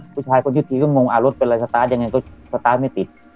ผู้ชายคนยึดทีก็งงรถเป็นอะไรสตาร์ทยังไงก็สตาร์ทไม่ติด